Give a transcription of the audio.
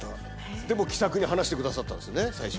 でも気さくに話してくださったんですね、最初。